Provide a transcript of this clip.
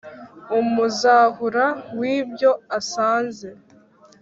umuzahura w’ibyo asanze